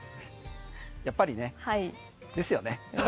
やっぱりね、ですよね。